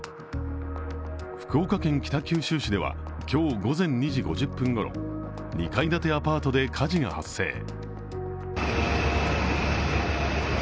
福岡県北九州市では今日午前２時５０分ごろ、２階建てアパートで火事が発生。